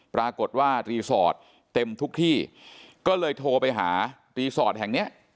ปรากฏว่ารีสอร์ทเต็มทุกที่ก็เลยโทรไปหารีสอร์ทแห่งเนี้ย